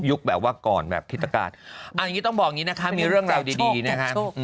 แบบว่าก่อนแบบทิศกาศเอาอย่างนี้ต้องบอกอย่างนี้นะคะมีเรื่องราวดีนะคะ